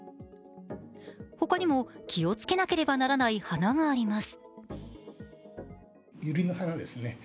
他にも気をつけなければならない花があります。